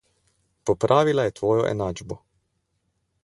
Popravila je tvojo enačbo.